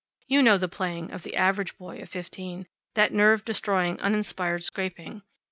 You know the playing of the average boy of fifteen that nerve destroying, uninspired scraping.